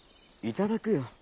いただくよ。